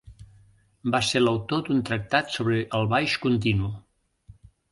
Va ser l'autor d'un tractat sobre el baix continu.